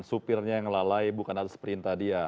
supirnya yang lalai bukan atas perintah dia